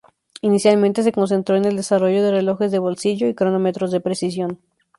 Inicialmente se concentró en el desarrollo de relojes de bolsillo y cronómetros de precisión.